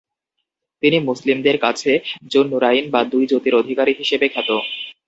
তিনি মুসলিমদের কাছে জুন-নুরাইন বা দুই জ্যোতির অধিকারী'' হিসেবে খ্যাত।